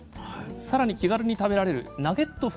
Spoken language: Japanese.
さらに気軽に食べられるナゲット風。